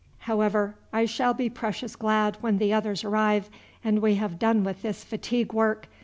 However, I shall be precious glad when the others arrive, and we have done with this fatigue work.